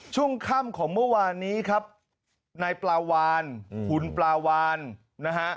ช่วงค่ำของเมื่อวานนี้ครับนายปลาวานคุณปลาวานนะฮะ